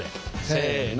せの。